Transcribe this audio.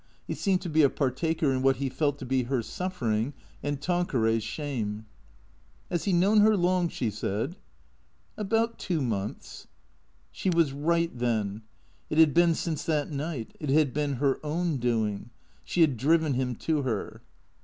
He seemed to be a partaker in what he felt to be her suffering and Tanqueray's shame. " Has he known her long ?" she said. " About two months." She was right then. It had been since that night. It had been her own doing. She had driven him to her.